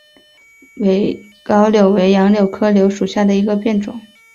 伪蒿柳为杨柳科柳属下的一个变种。